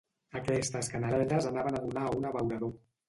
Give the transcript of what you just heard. Aquestes canaletes anaven a donar a un abeurador.